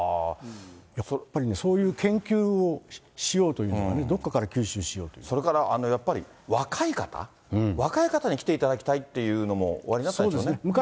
やっぱりね、そういう研究をしようというのはね、どっかから吸収それから若い方、若い方に来ていただきたいというのもおありだったんですよね。